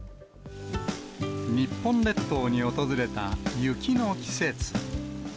日本列島に訪れた雪の季節。